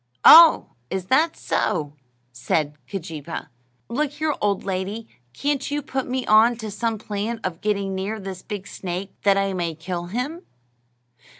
"Oho! Is that so?" said Keejeepaa. "Look here, old lady; can't you put me on to some plan of getting near this big snake, that I may kill him?"